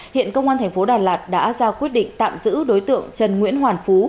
hiện công an thành phố đà lạt đã ra quyết định tạm giữ đối tượng trần nguyễn hoàn phú